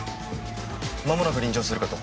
まもなく臨場するかと。